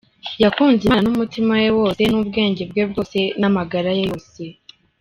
Yakunze Imana n’umutima we wose, n’ubwenge bwe bwose n’amagara ye yose.